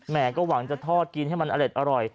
ก็หวังจะทอดกินให้มันอเล็ดอร่อย